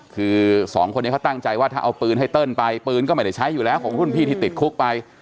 คือสองคนนี้เขาตั้งใจว่าถ้าเอาปืนให้เติ้ลไปปืนก็ไม่ได้ใช้อยู่แล้วของรุ่นพี่ที่ติดคุกไป